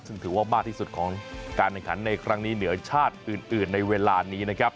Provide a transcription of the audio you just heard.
ซึ่งถือว่ามากที่สุดของการแข่งขันในครั้งนี้เหนือชาติอื่นในเวลานี้นะครับ